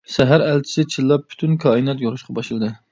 سەھەر ئەلچىسى چىللاپ پۈتۈن كائىنات يورۇشقا باشلىدى.